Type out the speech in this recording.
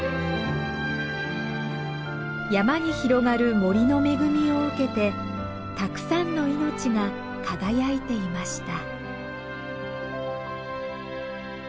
山に広がる森の恵みを受けてたくさんの命が輝いていました。